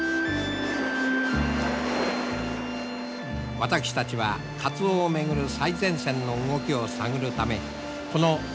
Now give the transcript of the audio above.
私たちはカツオをめぐる最前線の動きを探るためこの第２３